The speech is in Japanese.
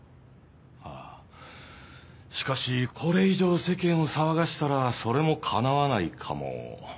あっしかしこれ以上世間を騒がしたらそれもかなわないかも。